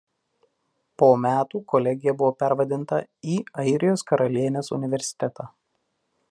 Po metų kolegija buvo pervadinta į Airijos karalienės universitetą.